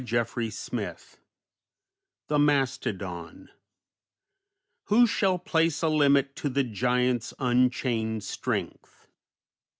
] XI THE MASTODON "_... who shall place A limit to the giant's unchained strength?